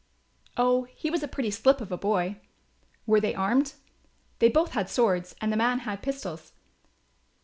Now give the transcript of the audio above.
"Oh, he was a pretty slip of a boy." "Were they armed?" "They both had swords and the man had pistols."